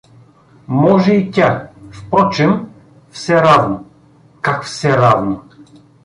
— Може и тя… впрочем, все равно… — Как все равно?